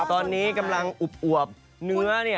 ตอนนี้กำลังอวบเนื้อ